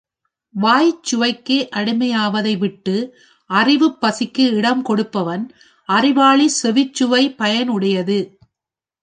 வாய்ச் சுவைக்கே அடிமையாவதை விட்டு அறிவுப்பசிக்கு இடம் கொடுப்பவன் அறிவாளி செவிச்சுவை பயன் உடையது.